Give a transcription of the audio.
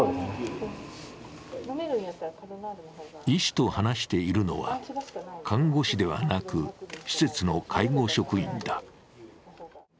医師と話しているのは看護師ではなく、施設の介護職員だ。